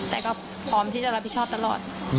แต่ก็พร้อมที่จะรับผิดชอบตลอด